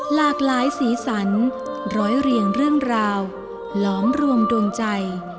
หลากหลายสีสันร้อยเรียงเรื่องราวหลอมรวมดวงใจ